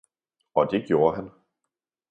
Og det gjorde han